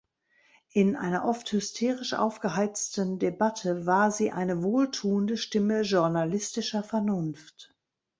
In einer oft hysterisch aufgeheizten Debatte war sie eine wohltuende Stimme journalistischer Vernunft.